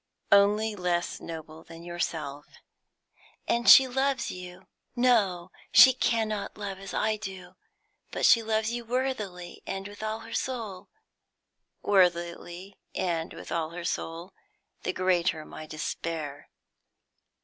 "Only less noble than yourself." "And she loves you no, she cannot love as I do but she loves you worthily and with all her soul?" "Worthily and with all her soul the greater my despair."